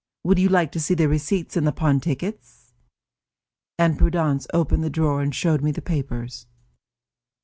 Would you like to see the receipts and the pawn tickets?" And Prudence opened the drawer and showed me the papers.